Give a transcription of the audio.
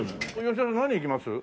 吉田さん何いきます？